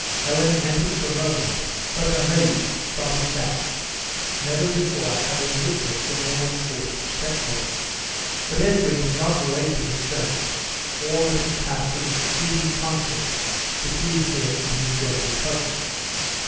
Helen entered for a moment, but, amazed, started back, never before having witnessed the morning courts of stepmother." But Edwin did not relate to his friend all that had passed in the succeeding conference between him and his gentle cousin.